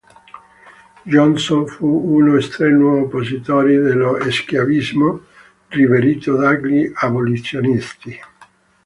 Johnson fu uno strenuo oppositore dello schiavismo, riverito dagli abolizionisti.